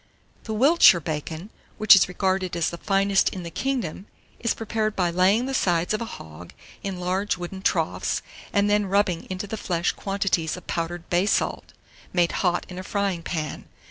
The Wiltshire bacon, which is regarded as the finest in the kingdom, is prepared by laying the sides of a hog in large wooden troughs, and then rubbing into the flesh quantities of powdered bay salt, made hot in a frying pan.